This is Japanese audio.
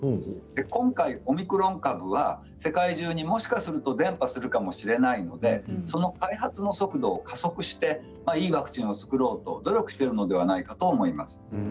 今回、オミクロン株は世界中にもしかしたら伝ぱするかもしれないのでその開発の速度を加速していいワクチンを作ろうと努力しているのではないかと思います。